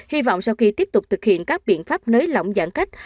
hy vọng sau khi tiếp tục thực hiện các biện pháp nới lỏng giãn cách